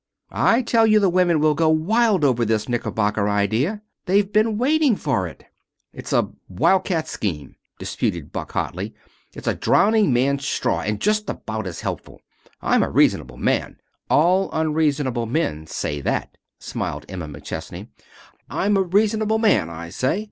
I tell you the women will go wild over this knickerbocker idea. They've been waiting for it." "It's a wild cat scheme," disputed Buck hotly. "It's a drowning man's straw, and just about as helpful. I'm a reasonable man " "All unreasonable men say that," smiled Emma McChesney. " I'm a reasonable man, I say.